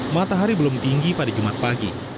matahari belum tinggi pada jumat pagi